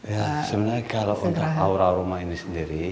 ya sebenarnya kalau untuk aura rumah ini sendiri